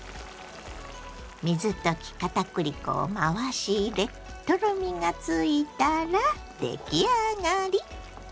水溶き片栗粉を回し入れとろみがついたら出来上がり。